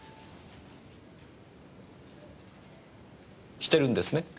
してるんですね？